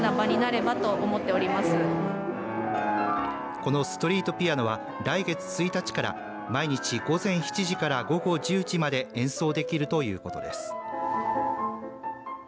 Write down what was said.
このストリートピアノは来月１日から毎日午前７時から午後１０時まで演奏できるということです。